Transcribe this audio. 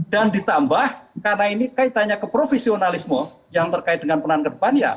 dan ditambah karena ini kaitannya ke profesionalisme yang terkait dengan peranan depan ya